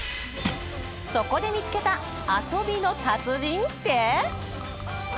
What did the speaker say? そこで見つけた遊びの達人って？